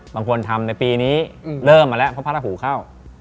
บางคนทำในปีนี้เริ่มมาแล้วเพราะพระราหูเข้า